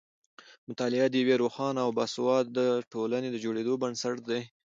مطالعه د یوې روښانه او باسواده ټولنې د جوړېدو بنسټ دی.